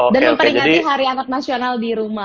dan memperingati hari anak nasional di rumah